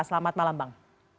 selamat malam bang